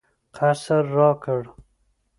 قصر راکړ.